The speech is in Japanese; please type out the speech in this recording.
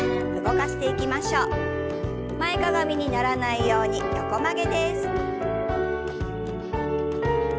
前かがみにならないように横曲げです。